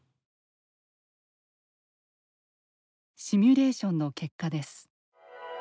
シミュレーションの結果です。